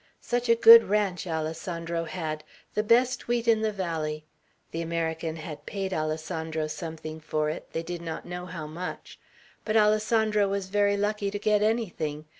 Such a good ranch Alessandro had; the best wheat in the valley. The American had paid Alessandro something for it, they did not know how much; but Alessandro was very lucky to get anything.